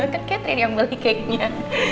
kan kate yang beli keknya